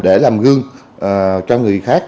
để làm gương cho người khác